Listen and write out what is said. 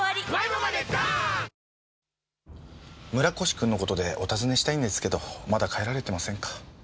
村越君の事でお尋ねしたいんですけどまだ帰られてませんか？